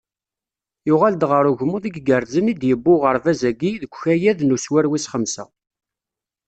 Yuɣal-d ɣer ugemmuḍ i igerrzen i d-yewwi uɣerbaz-a deg ukayad n uswir wis xemsa.